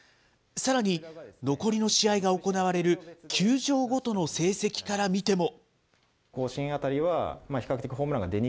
さらに、残りの試合が行われる球場ごとの成績から見ても。